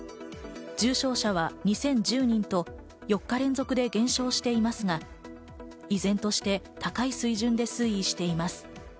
重症者は２０１０人と４日連続で減少していますが、依然として高い水準で推移しています。